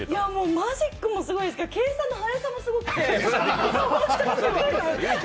マジックもすごいですけど計算の速さもすごくて。